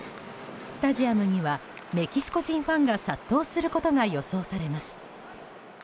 スタジアムにはメキシコ人ファンが殺到することが予想されます。